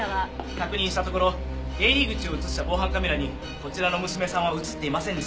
確認したところ出入り口を映した防犯カメラにこちらの娘さんは映っていませんでした。